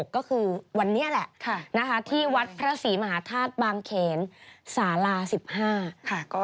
ก็คือวันนี้แหละที่วัดพระศรีมหาธาตุบางเขนสารา๑๕ค่ะ